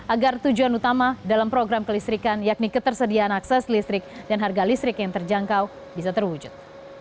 agar tujuan utama dalam program kelistrikan yakni ketersediaan akses listrik dan harga listrik yang terjangkau bisa terwujud